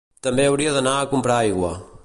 També hauria d'anar a comprar aigua